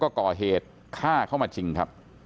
ก็ก่อเหตุฆ่าเขามาจริงครับ